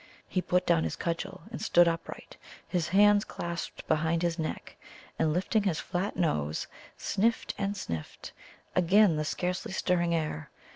He put down his cudgel, and stood upright, his hands clasped behind his neck, and lifting his flat nose, sniffed and sniffed again the scarcely stirring air.